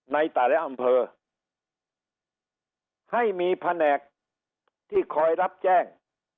ในแต่ละอำเภอให้มีแผนกที่คอยรับแจ้ง